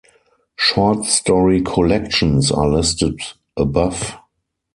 Short story collections are listed above.